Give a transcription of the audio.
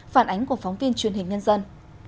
phản ánh của phóng viên truyền hình nhân dân